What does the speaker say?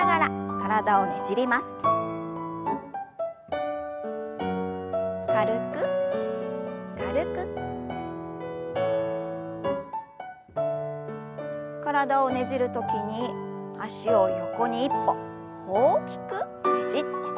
体をねじる時に脚を横に１歩大きくねじって戻します。